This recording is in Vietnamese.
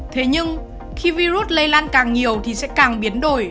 thế nhưng khi virus lây lan càng nhiều thì sẽ càng biến đổi